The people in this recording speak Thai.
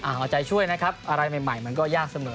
เอาใจช่วยนะครับอะไรใหม่มันก็ยากเสมอ